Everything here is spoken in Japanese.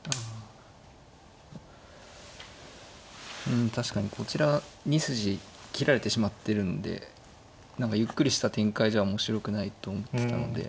うん確かにこちら２筋切られてしまってるんで何かゆっくりした展開じゃ面白くないと思ってたので。